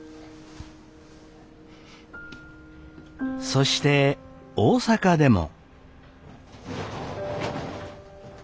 そして大阪でも。